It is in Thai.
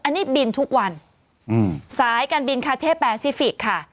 อันนี้บินทุกวันอืมสายการบินคาเท่แปซิฟิกส์ค่ะ